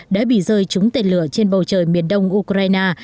đã bị rơi trúng tên lửa trên bầu trời miền đông ukraine